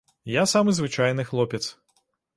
Я самы звычайны хлопец.